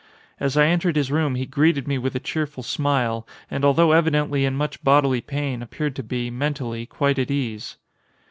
As I entered his room he greeted me with a cheerful smile, and although evidently in much bodily pain, appeared to be, mentally, quite at ease.